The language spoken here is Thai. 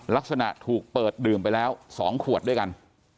ลักษณะถูกเปิดดื่มไปแล้ว๒ขวดด้วยกัน